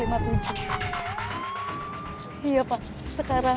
iya pak sekarang